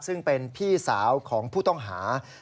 ซึ่งเป็นพี่สาวของผู้ต้องหา